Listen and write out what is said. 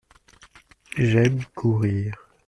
J’aime courir.